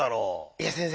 いや先生。